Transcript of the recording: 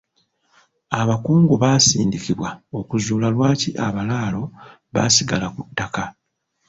Abakungu baasindikibwa okuzuula lwaki abalaalo baasigala ku ttaka.